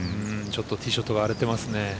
ちょっとティーショットが荒れてますね。